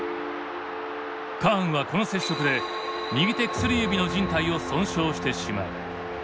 カーンはこの接触で右手薬指のじん帯を損傷してしまう。